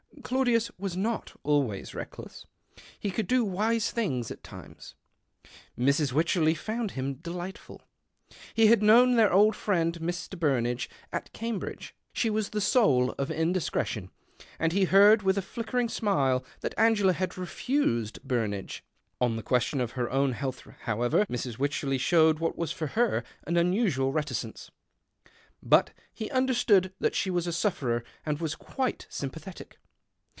Claudius was not always reckless. He could lo wise things at times. Mrs. Wycherley found him delightful. He lad known their old friend Mr. Burnagje at I ambridge. She was the soul of indiscretion, md he heard with a flickering smile that ingela had refused Burnage. On the question )f her own health, however, Mrs. Wycherley showed what was for her an unusual reticence. But he understood that she was a sufferer, md was quite sympathetic.